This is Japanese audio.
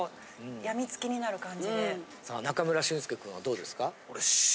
さあ中村俊介君はどうですか？